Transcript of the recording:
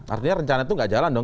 artinya rencana itu nggak jalan dong